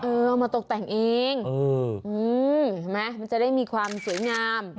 เอามาตกแต่งเองใช่ไหมมันจะได้มีความสวยงาม